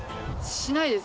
「しないです」。